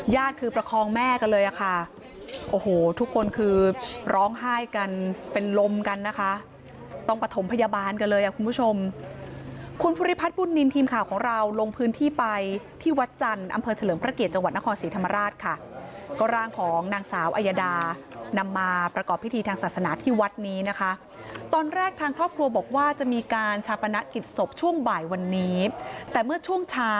ญาติคือประคองแม่กันเลยค่ะโอ้โหทุกคนคือร้องไห้กันเป็นลมกันนะคะต้องประถมพยาบาลกันเลยคุณผู้ชมคุณพุทธิพัฒน์บุญนินทีมข่าวของเราลงพื้นที่ไปที่วัดจันทร์อำเภอเฉลิมพระเกียรติจังหวัดนครศรีธรรมราชค่ะก็ร่างของนางสาวไอยาดานำมาประกอบพิธีทางศาสนาที่วัดนี้นะคะตอนแรก